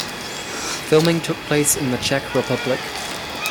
Filming took place in the Czech Republic.